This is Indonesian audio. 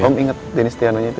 om inget denis tiano nya itu